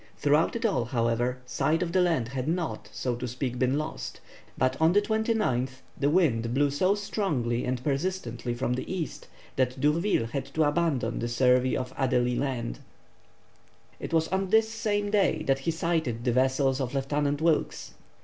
Throughout it all, however, sight of the land had not, so to speak, been lost, but on the 29th the wind blew so strongly and persistently from the east, that D'Urville had to abandon the survey of Adélie Land. It was on this same day that he sighted the vessels of Lieutenant Wilkes.